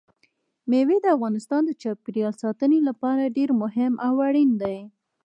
مېوې د افغانستان د چاپیریال ساتنې لپاره ډېر مهم او اړین دي.